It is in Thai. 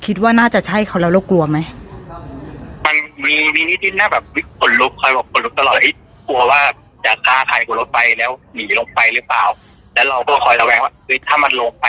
คิดว่าน่าจะใช่เขาแล้วเรากลัวไหม